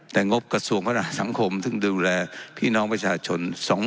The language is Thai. แต่งบกระทรวงพัฒนาสังคมซึ่งดูแลพี่น้องประชาชน